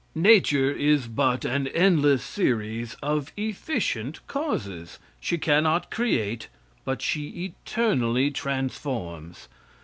Nature is but an endless series of efficient causes. She cannot create, but she eternally transforms.